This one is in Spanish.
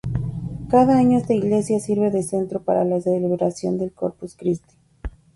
Cada año, esta iglesia sirve de centro para la celebración del Corpus Christi.